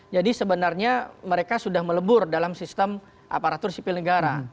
jadi sebenarnya mereka sudah melebur dalam sistem aparatur sipil negara